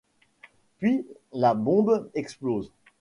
Puis, la bombe explose.